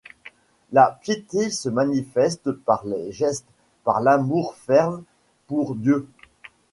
La piété se manifeste par les gestes, par l'amour fervent pour Dieu.